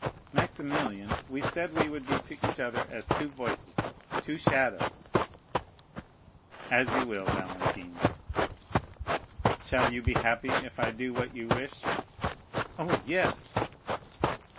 "Maximilian, we said we would be to each other as two voices, two shadows." "As you will, Valentine." "Shall you be happy if I do what you wish?" "Oh, yes!"